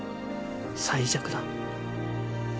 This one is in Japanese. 最弱だ。